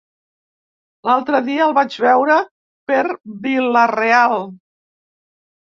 L'altre dia el vaig veure per Vila-real.